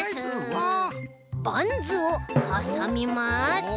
バンズをはさみます。